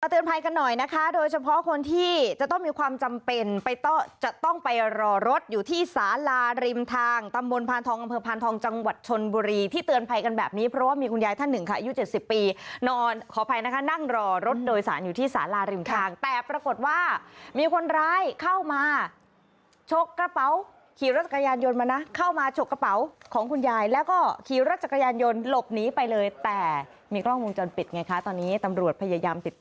ตัวเตือนภัยกันหน่อยนะคะโดยเฉพาะคนที่จะต้องมีความจำเป็นไปต้องจะต้องไปรอรถอยู่ที่สาลาริมทางตำบลพาลทองกำเภอพาลทองจังหวัดชนบุรีที่เตือนภัยกันแบบนี้เพราะว่ามีคุณยายท่านหนึ่งค่ะอายุเจ็บสิบปีนอนขออภัยนะคะนั่งรอรถโดยสารอยู่ที่สาลาริมทางแต่ปรากฏว่ามีคนร้ายเข้ามาชกกระเป๋าขี่รถจักรย